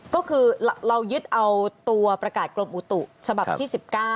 ก็คือเรายึดเอาตัวประกาศกรมอุตุฉบับที่๑๙